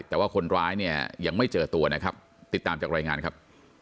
แต่ว่าคนร้ายเนี่ยยังไม่เจอตัวนะครับติดตามจากรายงานครับ